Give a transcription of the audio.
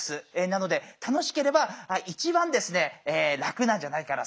なので楽しければ一番ですね楽なんじゃないかな